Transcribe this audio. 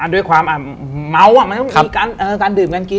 ด้วยความเมามันต้องมีการดื่มกันกิน